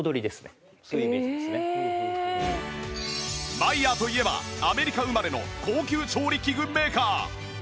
マイヤーといえばアメリカ生まれの高級調理器具メーカー